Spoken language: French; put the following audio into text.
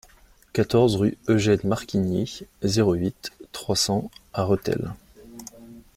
quatorze rue Eugène Marquigny, zéro huit, trois cents à Rethel